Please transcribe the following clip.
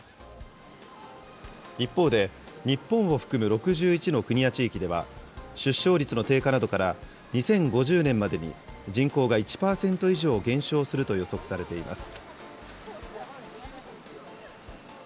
一方で、日本を含む６１の国や地域では、出生率の低下などから、２０５０年までに人口が１％以上減少すると予測されています。